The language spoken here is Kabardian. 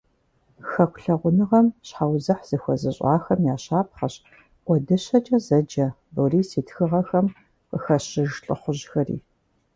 Хэку лъагъуныгъэм щхьэузыхь зыхуэзыщӀахэм я щапхъэщ « ӀуэдыщэкӀэ» зэджэ Борис и тхыгъэхэм къыхэщыж лӀыхъужьхэри.